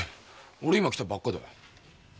俺今来たばっかだよ。